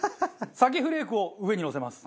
鮭フレークを上にのせます。